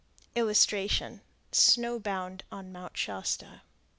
[Illustration: SNOW BOUND ON MOUNT SHASTA.